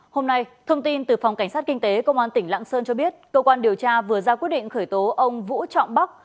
hôm nay thông tin từ phòng cảnh sát kinh tế công an tỉnh lạng sơn cho biết cơ quan điều tra vừa ra quyết định khởi tố ông vũ trọng bắc